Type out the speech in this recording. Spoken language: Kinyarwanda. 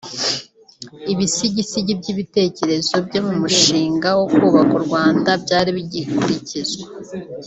ibisigisigi by’ibitekerezo bye mu mushinga wo kubaka u Rwanda byari bigikurikizwa